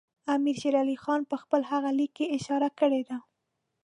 امیر شېر علي خان په خپل هغه لیک کې اشاره کړې ده.